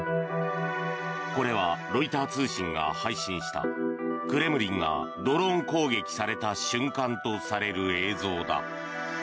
これは、ロイター通信が配信したクレムリンがドローン攻撃された瞬間とされる映像だ。